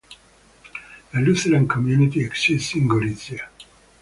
A Lutheran community exists in Gorizia.